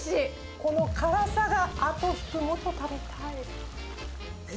この辛さがあと引く、もっと食べたい。